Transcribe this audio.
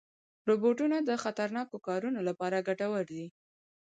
روبوټونه د خطرناکو کارونو لپاره ګټور دي.